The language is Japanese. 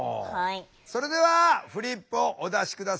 それではフリップをお出し下さい。